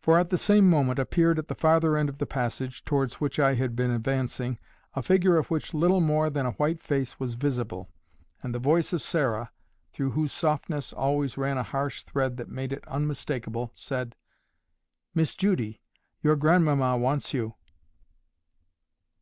For at the same moment appeared at the farther end of the passage towards which I had been advancing, a figure of which little more than a white face was visible; and the voice of Sarah, through whose softness always ran a harsh thread that made it unmistakable, said, "Miss Judy, your grandmamma wants you."